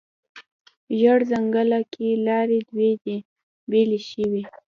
زیړ ځنګله کې لارې دوې دي، بیلې شوې